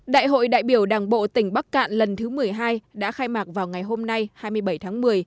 đại hội đại biểu đảng bộ tỉnh bắc cạn lần thứ một mươi hai đã khai mạc vào ngày hôm nay hai mươi bảy tháng một mươi